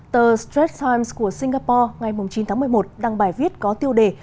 tờ stress times của singapore ngày chín tháng một mươi một đăng bài viết có tiêu đề